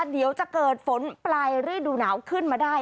เดี๋ยวจะเกิดฝนปลายฤดูหนาวขึ้นมาได้